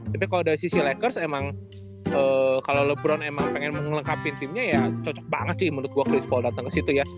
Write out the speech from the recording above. tapi kalo dari sisi lakers emang kalo lebron emang pengen mengelengkapin timnya ya cocok banget sih menurut gua chris paul dateng kesitu ya